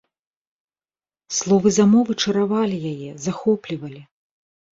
Словы замовы чаравалі яе, захоплівалі.